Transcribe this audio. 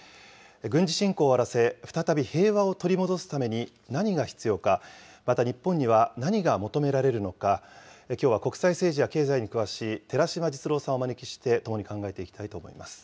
軍事侵攻を終わらせ、再び平和を取り戻すために何が必要か、また、日本には何が求められるのか、きょうは国際政治や経済に詳しい寺島実郎さんをお招きしてともに考えていきたいと思います。